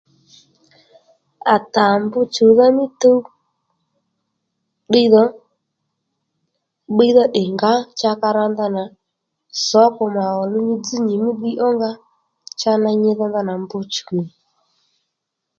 À tà mb chuwdha mí tuw ddiydhò bbiydha tdè ngǎ cha ka ra ndana sǒkò mà ò luw nyi dzź nyì mí ddiy ó nga cha ney nyi dho ndanà mbr chùw nì